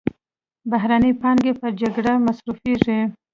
بهرنۍ پانګې پر جګړه مصرفېږي.